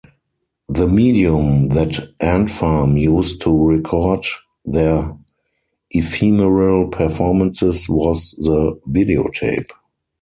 The medium that Ant Farm used to record their ephemeral performances was the videotape.